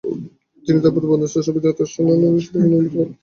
তিনি তার পূর্বের অধীনস্থ অভিনেতা স্ট্যান লরেলের সাথে পুনর্মিলিত হন।